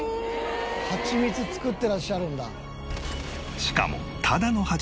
ハチミツ作ってらっしゃるんだ。